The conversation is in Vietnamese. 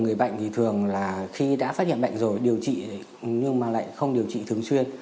người bệnh thì thường là khi đã phát hiện bệnh rồi điều trị nhưng mà lại không điều trị thường xuyên